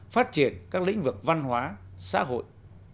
phát triển các lĩnh vực văn hóa xã hội